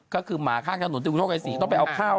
ก็คือหมาฆ่าข้าวหนุนดูโชคไอ้สี่ต้องไปเอาข้าว